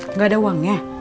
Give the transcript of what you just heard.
nggak ada uangnya